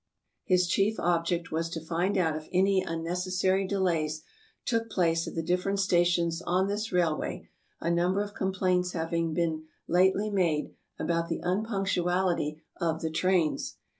His chief ob ject was to find out if any unnecessary delays took place at the different stations on this railway, a number of com plaints having been lately made about the unpunctuality of ASIA 297 the trains.